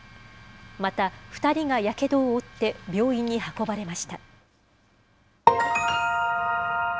また、２人がやけどを負って病院に運ばれました。